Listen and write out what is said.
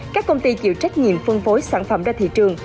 các công ty chịu trách nhiệm phân phối sản phẩm ra thị trường